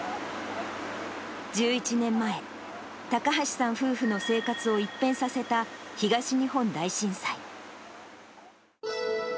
１１年前、高橋さん夫婦の生活を一変させた、東日本大震災。